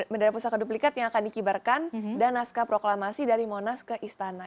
bendera pusaka duplikat yang akan dikibarkan dan naskah proklamasi dari monas ke istana